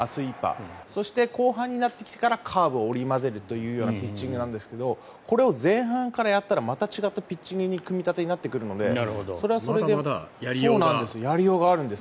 そして、後半になってきてからカーブを織り交ぜるというようなピッチングなんですがこれを前半からやったらまた違った組み立てになってくるのでそれはそれでやりようがあるんです。